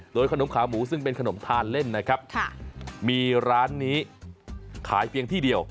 โดยขนมขาหมูซึ่งเป็นขนมทานเล่นนะครับมีร้านนี้ขายเพียงที่เดียว